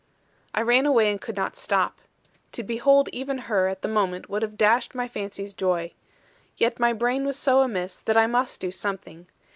I ran away, and could not stop. To behold even her, at the moment, would have dashed my fancy's joy. Yet my brain was so amiss, that I must do something.